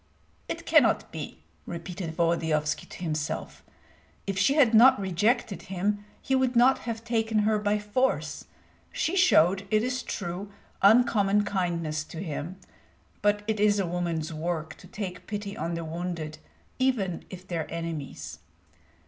"It cannot be," repeated Volodyovski to himself; "if she had not rejected him, he would not have taken her by force. She showed, it is true, uncommon kindness to him; but it is a woman's work to take pity on the wounded, even if they are enemies.